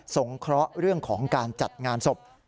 งเคราะห์เรื่องของการจัดงานศพ